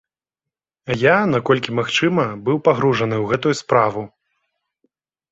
Я, наколькі магчыма, быў пагружаны ў гэтую справу.